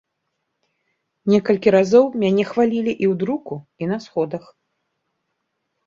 Некалькі разоў мяне хвалілі і ў друку, і на сходах.